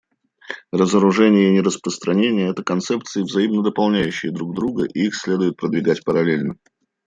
Разоружение и нераспространение — это концепции, взаимно дополняющие друг друга и их следует продвигать параллельно.